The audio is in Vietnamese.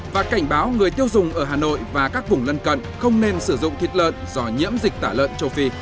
và cảnh báo người tiêu dùng ở hà nội và các vùng lân cận không nên sử dụng thịt lợn do nhiễm dịch tả lợn châu phi